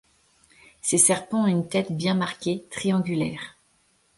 Ces serpents ont une tête bien marquée, triangulaire.